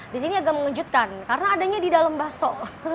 di sini agak mengejutkan karena adanya di dalam bakso